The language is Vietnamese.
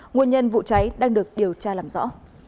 nguồn nhân vụ cháy đang được điều tra làm rõ